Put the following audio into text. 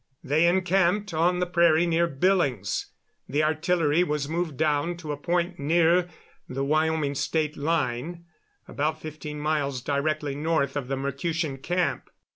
They encamped on the prairie near Billings. The artillery was moved down to a point near the Wyoming State line, about fifteen miles directly north of the Mercutian camp.